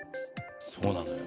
そうなのよ。